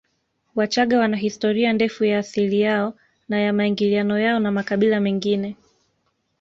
Wachaga wana historia ndefu ya asili yao na ya maingiliano yao na makabila mengine